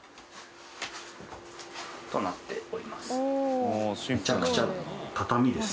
となっております。